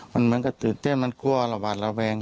มันเหมือนกับตื่นเต้นมันกลัวระหวัดระแวง